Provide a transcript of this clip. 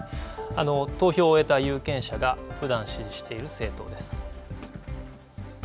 投票を終えた有権者がふだん支持している政党です。